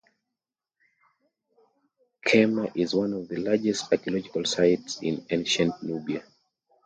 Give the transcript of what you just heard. Kerma is one of the largest archaeological sites in ancient Nubia.